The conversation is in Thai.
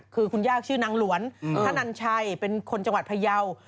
คือคุณย่าชื่อนางหลวนธนันชัยเป็นคนจังหวัดพยาว